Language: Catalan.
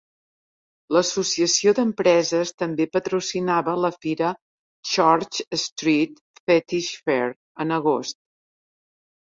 L'associació d'empreses també patrocinava la fira "Church Street Fetish Fair" en agost.